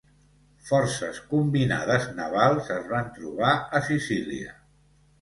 Forces combinades navals es van trobar a Sicília.